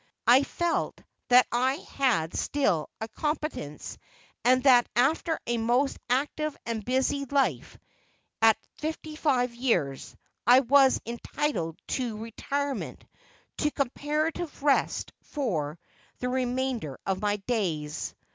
I felt that I had still a competence and that after a most active and busy life, at fifty five years, I was entitled to retirement, to comparative rest for the remainder of my days.